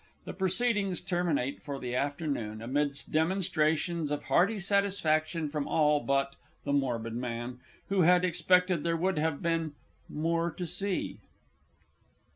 The proceedings terminate for the afternoon amidst demonstrations of hearty satisfaction from all but_ THE MORBID MAN, _who had expected there would have been "more to see."